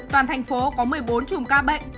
toàn thành phố có một mươi bốn chùm ca bệnh